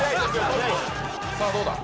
速いさあどうだ？